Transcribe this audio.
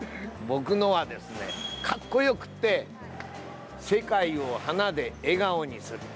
僕のはですね、格好よくて世界を花で絵顔にする。